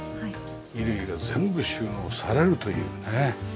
衣類が全部収納されるというね。